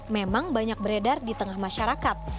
memang banyak beredar di tengah masyarakat